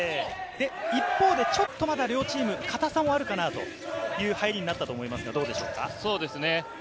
一方でちょっとまだ両チーム、かたさもあるかなという入りになったと思いますが。